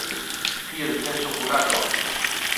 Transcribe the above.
Fillo de Celso Currás López.